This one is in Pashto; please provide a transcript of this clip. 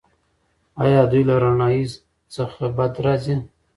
ایا دوی له رڼایي څخه بدې راځي؟